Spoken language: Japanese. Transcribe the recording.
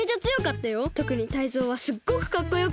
とくにタイゾウはすっごくかっこよかった。